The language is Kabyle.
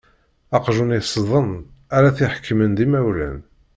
Aqjun iṣṣḍen, ara t-iḥekmen d imawlan.